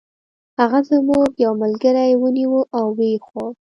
هغه زموږ یو ملګری ونیوه او و یې خوړ.